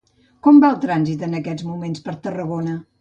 Com va el trànsit en aquests moments per Tarragona?